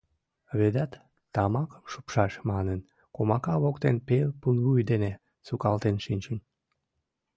Ведат, тамакым шупшаш манын, комака воктен пел пулвуй дене сукалтен шинчын.